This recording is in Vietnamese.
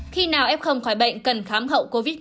khi nào f khỏi bệnh cần khám hậu covid một mươi chín